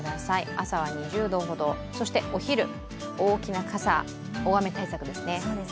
朝は２０度ほど、そしてお昼、大きな傘、大雨対策ですね。